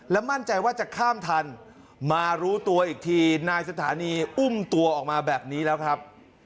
มั่นใจว่าจะข้ามทันมารู้ตัวอีกทีนายสถานีอุ้มตัวออกมาแบบนี้แล้วครับ